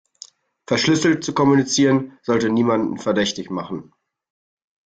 Verschlüsselt zu kommunizieren sollte niemanden verdächtig machen.